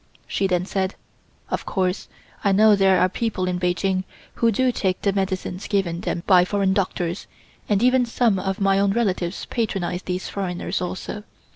She then said: "Of course I know there are people in Peking who do take the medicines given them by foreign doctors and even some of my own relatives patronize these foreigners also.